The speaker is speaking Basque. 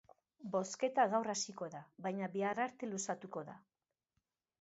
Bozketa gaur hasiko da, baina bihar arte luzatuko da.